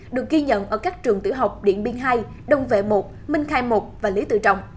được ghi nhận ở các trường tiểu học điện biên hai đông vệ một minh khai một và lý tự trọng